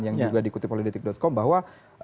yang juga di kutipolodetik com bahwa